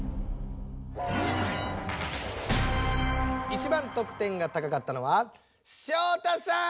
一番得点が高かったのは照太さん！